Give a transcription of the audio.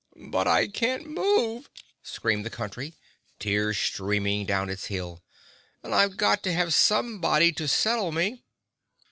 "But I can't move," screamed the Country, tears streaming down its hill, "and I've got to have somebody to settle me."